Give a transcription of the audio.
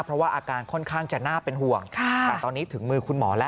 เพราะว่าอาการค่อนข้างจะน่าเป็นห่วงแต่ตอนนี้ถึงมือคุณหมอแล้ว